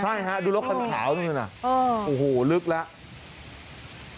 ใช่ฮะดูรถคันขาวนี่นะโอ้โหลึกแล้ว